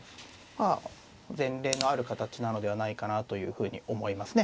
まあ前例のある形なのではないかなというふうに思いますね。